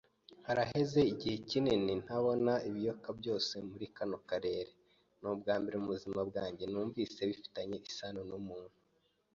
Haraheze igihe kinini ntarabona ibiyoka byose muri kano karere. Nubwambere mubuzima bwanjye numvise bifitanye isano numuntu.